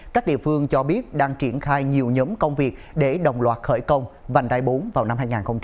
các địa phương cho biết đang triển khai nhiều nhóm công việc để đồng loạt khởi công vành đai bốn vào năm hai nghìn hai mươi